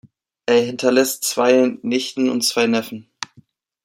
Er hinterlässt zwei Nichten und zwei Neffen.